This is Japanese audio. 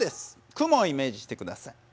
雲をイメージしてください。